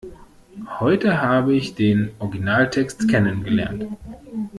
Heute habe ich den Originaltext kennengelernt.